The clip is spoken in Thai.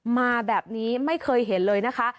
มาแบบนี้ไม่เคยเห็นเลยนะคะ